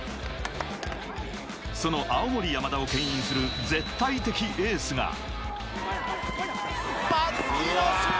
その青森山田をけん引する絶対的エースが。